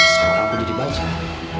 sekarang aku jadi banjir